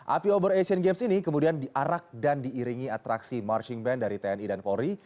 api obor asian games ini kemudian diarak dan diiringi atraksi marching band dari tni dan polri